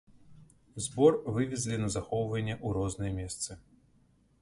Збор вывезлі на захоўванне ў розныя месцы.